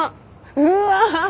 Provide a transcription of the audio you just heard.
うわ！